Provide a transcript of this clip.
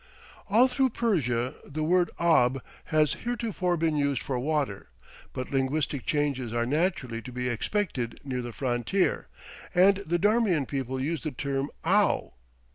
All through Persia the word "ob" has heretofore been used for water; but linguistic changes are naturally to be expected near the frontier, and the Darmian people use the term "ow."